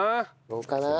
どうかな？